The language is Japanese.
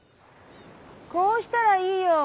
『こうしたらいいよ。